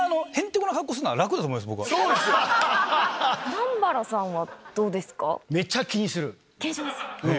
南原さんはどうですか？